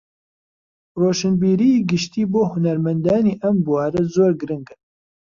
ڕۆشنبیریی گشتی بۆ هونەرمەندانی ئەم بوارە زۆر گرنگە